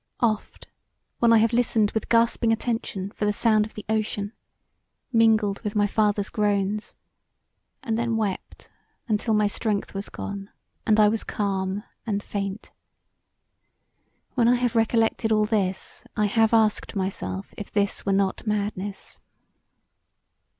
Oft when I have listened with gasping attention for the sound of the ocean mingled with my father's groans; and then wept untill my strength was gone and I was calm and faint, when I have recollected all this I have asked myself if this were not madness.